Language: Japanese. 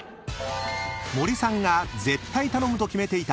［森さんが絶対頼むと決めていた］